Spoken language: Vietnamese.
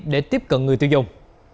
để tiếp cận người tiêu dùng